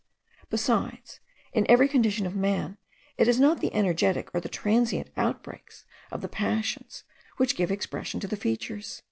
Besides, in every condition of man, it is not the energetic or the transient outbreaks of the passions, which give expression to the features.